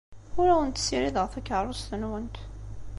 Ur awent-ssirideɣ takeṛṛust-nwent.